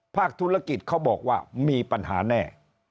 ภาคธุรกิจเขาบอกว่ามีปัญหาแน่